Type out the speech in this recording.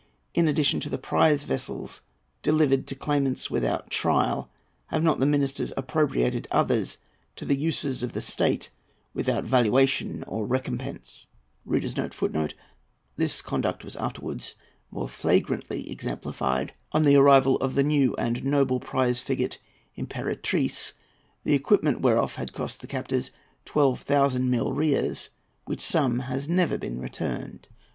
In addition to the prize vessels delivered to claimants without trial, have not the ministers appropriated others to the uses of the state without valuation or recompense?[A] [Footnote A: This conduct was afterwards more flagrantly exemplified on the arrival of the new and noble prize frigate Imperatrice, the equipment whereof had cost the captors 12,000 milreas, which sum has never been returned.